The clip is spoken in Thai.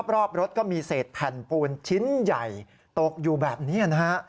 รอบรถก็มีเศษแผ่นปูนชิ้นใหญ่ตกอยู่แบบนี้นะฮะ